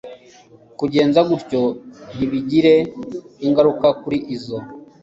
kugenza gutyo ntibigire ingaruka kuri zo